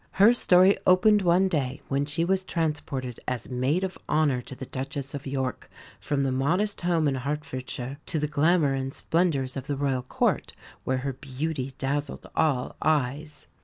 Her story opened when one day she was transported, as maid of honour to the Duchess of York, from the modest home in Hertfordshire to the glamour and splendours of the Royal Court, where her beauty dazzled all eyes.